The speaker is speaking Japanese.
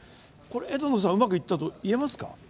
枝野さん、うまくいったと言えますか？